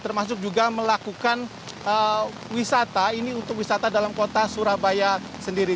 termasuk juga melakukan wisata ini untuk wisata dalam kota surabaya sendiri